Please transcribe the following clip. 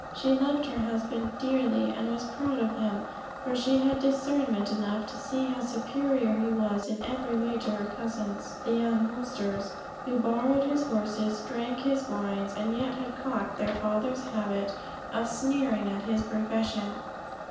She loved her husband dearly, and was proud of him, for she had discernment enough to see how superior he was in every way to her cousins, the young Holsters, who borrowed his horses, drank his wines, and yet had caught their father's habit of sneering at his profession.